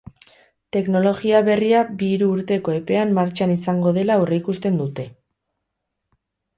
Teknologia berria bi-hiru urteko epean martxan izango dela aurreikusten dute.